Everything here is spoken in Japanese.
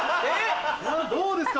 どうですか？